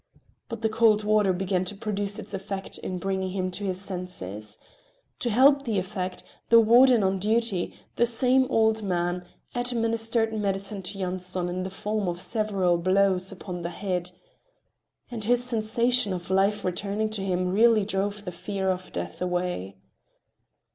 But the cold water began to produce its effect in bringing him to his senses. To help the effect, the warden on duty, the same old man, administered medicine to Yanson in the form of several blows upon the head. And this sensation of life returning to him really drove the fear of death away.